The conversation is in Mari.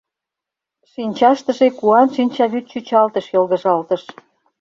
Шинчаштыже куан шинчавӱд чӱчалтыш йылгыжалтыш.